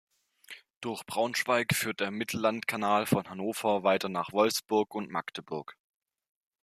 Durch Braunschweig führt der Mittellandkanal von Hannover weiter nach Wolfsburg und Magdeburg.